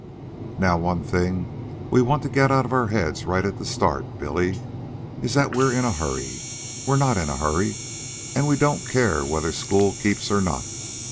"Now one thing we want to get out of our heads right at the start, Billy, is that we're in a hurry. We're not in a hurry, and we don't care whether school keeps or not.